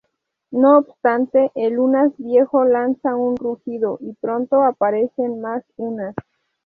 No obstante, el Unas viejo lanza un rugido, y pronto aparecen mas Unas.